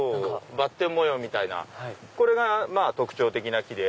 ばってん模様みたいなこれが特徴的な木で。